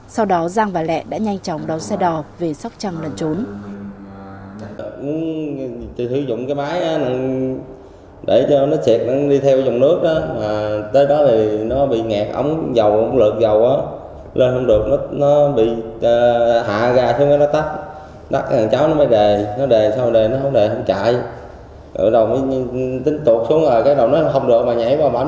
sau đó giang và lệ đã nhanh chóng đón xe đò về sóc trăng lần trốn